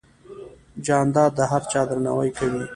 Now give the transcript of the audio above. جانداد د هر چا درناوی کوي.